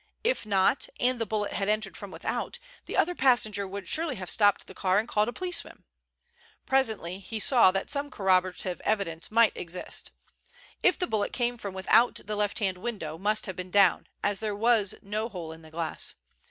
If not, and if the bullet had entered from without, the other passenger would surely have stopped the car and called a policeman. Presently he saw that some corroborative evidence might exist. If the bullet came from without the left hand window must have been down, as there was no hole in the glass.